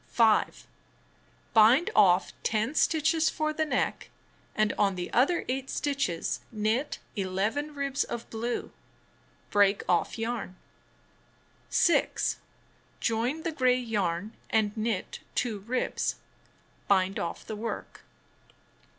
5. Bind off 10 stitches for the neck, and on the other 8 stitches knit 11 ribs of blue. Break off yarn. 6. Join the gray yam and knit 2 ribs. Bind off the work.